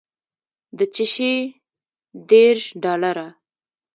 د چشي دېرش ډالره.